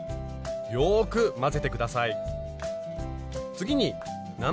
よく混ぜて下さい。